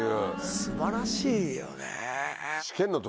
素晴らしいよね。